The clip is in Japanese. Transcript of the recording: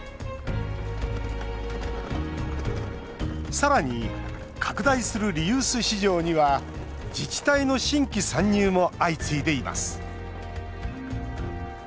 さらに、拡大するリユース市場には自治体の新規参入も相次いでいます。